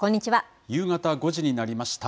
夕方５時になりました。